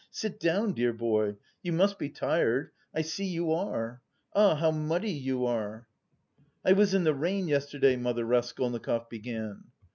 Sit down, dear boy, you must be tired; I see you are. Ah, how muddy you are." "I was in the rain yesterday, mother...." Raskolnikov began.